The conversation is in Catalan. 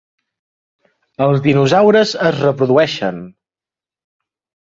Els dinosaures es reprodueixen!